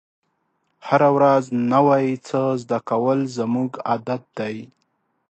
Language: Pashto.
هره ورځ نوی څه زده کول زموږ عادت دی.